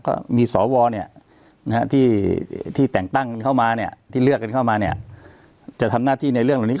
ก็มีสวที่แต่งตั้งเข้ามาที่เลือกกันเข้ามาเนี่ยจะทำหน้าที่ในเรื่องเหล่านี้